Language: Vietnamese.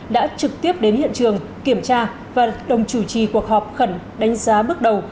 đã trực tiếp đến hiện trường kiểm tra và đồng chủ trì cuộc họp khẩn đánh giá bước đầu